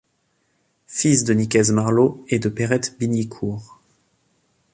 Fils de Nicaise Marlot et de Perette Bignicourt.